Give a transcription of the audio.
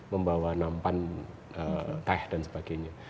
membawa nampan teh dan sebagainya